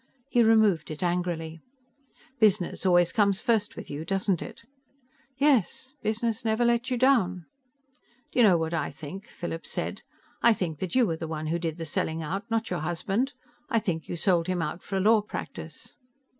He removed it angrily. "Business always comes first with you, doesn't it?" "Yes. Business never lets you down." "Do you know what I think?" Philip said. "I think that you were the one who did the selling out, not your husband. I think you sold him out for a law practice."